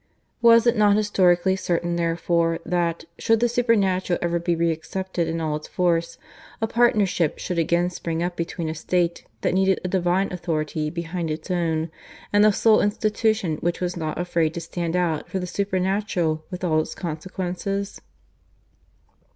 Was it not historically certain therefore that, should the Supernatural ever be reaccepted in all its force, a partnership should again spring up between a State that needed a Divine authority behind its own, and the sole Institution which was not afraid to stand out for the Supernatural with all its consequences?